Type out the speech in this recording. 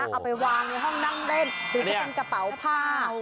เอาไปวางในห้องนั่งเล่นหรือจะเป็นกระเป๋าผ้า